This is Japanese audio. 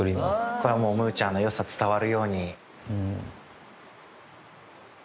これはもうむぅちゃんの良さ伝わるように。